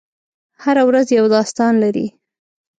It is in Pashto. هره ورځ یو داستان لري.